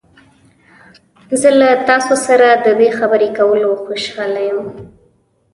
زه له تاسو سره د دې خبرې کولو خوشحاله یم.